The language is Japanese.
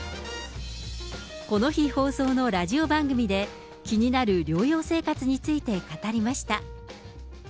この日、放送のラジオ番組で、気になる療養生活について語りました。